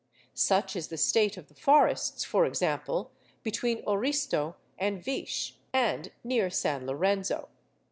Such is the state of the forests, for example, between Oristo and Vich, and near San Lorenzo.